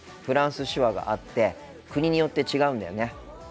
フランス手話があって国によって違うんだよね。